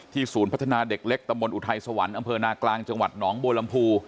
ศูนย์พัฒนาเด็กเล็กตำบลอุทัยสวรรค์อำเภอนากลางจังหวัดหนองบัวลำพู